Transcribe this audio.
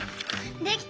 できた！